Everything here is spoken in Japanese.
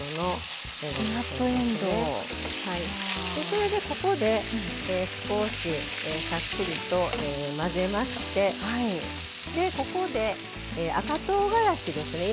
それでここで少しさっくりと混ぜましてでここで赤とうがらしですね